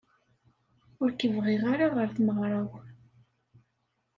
Ur k-bɣiɣ ara ɣer tmeɣra-w.